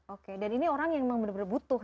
oke dan ini orang yang bener bener butuh